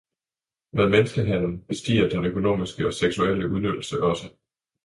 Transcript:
Med menneskehandlen stiger den økonomiske og seksuelle udnyttelse også.